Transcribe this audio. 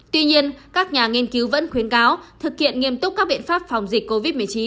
tuy nhiên các nhà nghiên cứu vẫn khuyến cáo thực hiện nghiêm túc các biện pháp phòng dịch covid một mươi chín